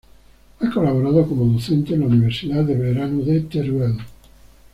Ha colaborado como docente en la Universidad de Verano de Teruel.